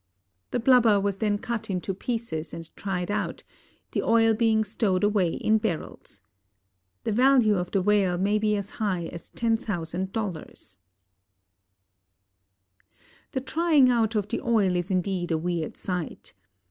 The blubber was then cut into pieces and tried out, the oil being stowed away in barrels. The value of the whale may be as high as $10,000. The trying out of the oil is indeed a weird sight.